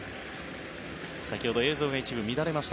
先ほど映像が一部乱れました。